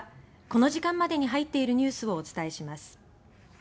この時間までに入っているニュースをお伝えします。